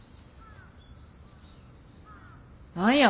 何や！